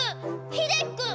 ひできくん！